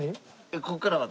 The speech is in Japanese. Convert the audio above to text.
ここからは。